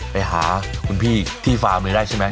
ไปหาคุณพี่ที่ฟาร์มเลยได้ใช่ไหม